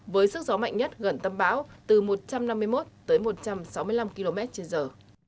với sức gió mạnh nhất gần tâm bão từ một trăm năm mươi một tới một trăm sáu mươi năm km trên giờ